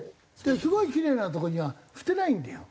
すごいキレイなとこには捨てないんだよ。